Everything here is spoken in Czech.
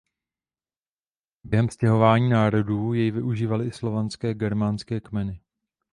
Během stěhování národů jej využívaly i slovanské a germánské kmeny.